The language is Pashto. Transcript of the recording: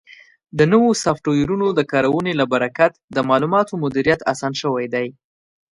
د نوو سافټویرونو د کارونې له برکت د معلوماتو مدیریت اسان شوی دی.